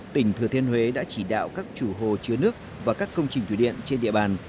tỉnh thừa thiên huế đã chỉ đạo các chủ hồ chứa nước và các công trình thủy điện trên địa bàn